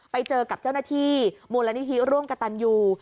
ไปเจอกับเจ้าหน้าที่มูลนิธิร่วมกับตันยู